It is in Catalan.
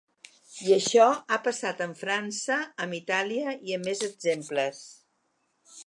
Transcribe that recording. I això ha passat amb França, amb Itàlia i amb més exemples.